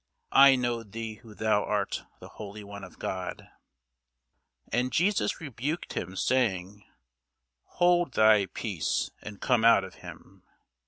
I know thee who thou art, the Holy One of God. And Jesus rebuked him, saying, Hold thy peace, and come out of him.